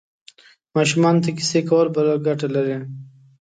ماشومانو ته کیسې کول بله ګټه لري.